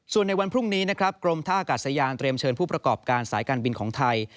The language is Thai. ส่วนในวันพรุ่งนี้นะครับกรมท่ากาศยานเตรียมเชิญผู้ประกอบการสายการบินของไทย